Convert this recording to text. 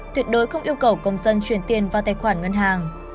tuyệt đối không yêu cầu công dân chuyển tiền vào tài khoản ngân hàng